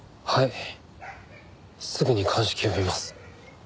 はい！